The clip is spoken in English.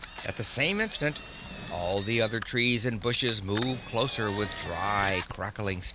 At the same instant all the other trees and bushes moved closer, with dry crackling steps.